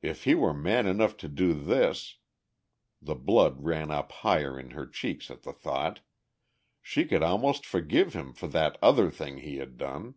If he were man enough to do this ... the blood ran up higher in her cheeks at the thought ... she could almost forgive him for that other thing he had done.